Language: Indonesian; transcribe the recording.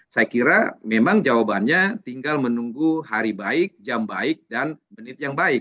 saya kira memang jawabannya tinggal menunggu hari baik jam baik dan menit yang baik